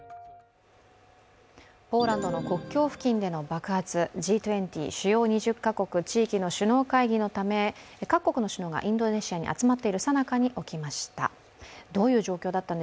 ポーランドの国境付近での爆発、Ｇ２０＝主要２０か国・地域の各国の首脳がインドネシアに集まっているさなかに起きました。